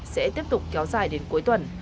sẽ tiếp tục kéo dài đến cuối tuần